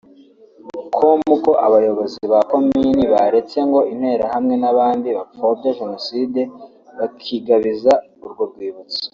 com ko abayobozi ba komini baretse ngo interahamwe n’abandi bapfobya Jenoside bakigabiza urwo rwibutso